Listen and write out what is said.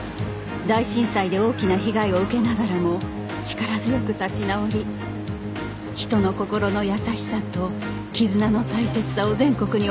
大震災で大きな被害を受けながらも力強く立ち直り人の心の優しさと絆の大切さを全国に教えてくれた町